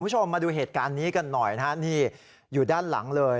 คุณผู้ชมมาดูเหตุการณ์นี้กันหน่อยนะฮะนี่อยู่ด้านหลังเลย